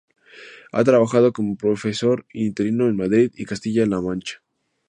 Ha trabajado como profesor interino en Madrid y Castilla-La Mancha.